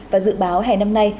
và dự báo hẻ năm nay